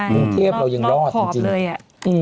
มุมเทพเรายังรอดจริง